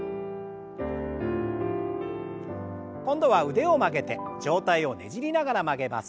今度は腕を曲げて上体をねじりながら曲げます。